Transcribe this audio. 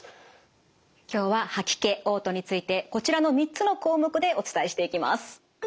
今日は吐き気・おう吐についてこちらの３つの項目でお伝えしていきます。